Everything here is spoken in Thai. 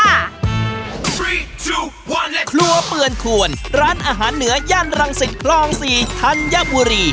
ครัวเปือนควรร้านอาหารเหนือย่านรังสิทธิ์คลอง๔ธัญบุรี